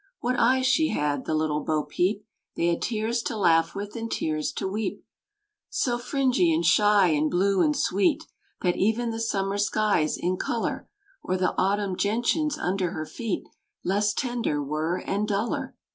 What eyes she had, the little Bo Peep! They had tears to laugh with, and tears to weep. So fringy, and shy, and blue, and sweet, That even the summer skies in color, Or the autumn gentians under her feet, Less tender were and duller.